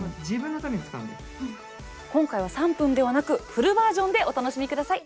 今回は３分ではなくフルバージョンでお楽しみ下さい。